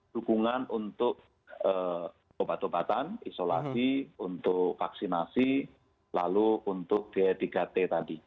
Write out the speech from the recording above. dukungan untuk obat obatan isolasi untuk vaksinasi lalu untuk biaya tiga t tadi